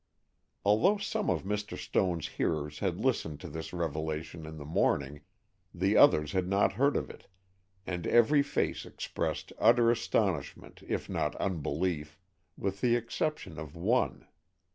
Although some of Mr. Stone's hearers had listened to this revelation in the morning, the others had not heard of it, and every face expressed utter astonishment, if not unbelief—with the exception of one.